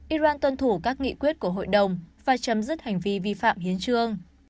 iran tuân thủ các nghị quyết của hội đồng và chấm dứt hành vi vi phạm hiến trương